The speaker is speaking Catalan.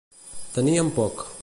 Tenir en poc.